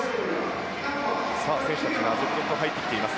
選手たちが続々と入ってきています。